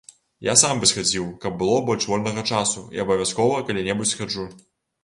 Я сам бы схадзіў, каб было больш вольнага часу, і абавязкова калі-небудзь схаджу.